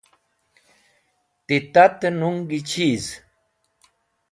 Tit ate nuñgi Cheez?